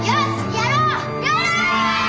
やろう！